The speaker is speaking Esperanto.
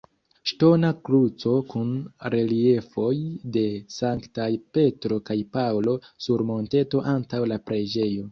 Ŝtona kruco kun reliefoj de Sanktaj Petro kaj Paŭlo sur monteto antaŭ la preĝejo.